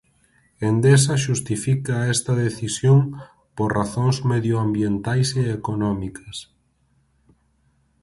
Endesa Xustifica esta decisión por razóns medioambientais e económicas.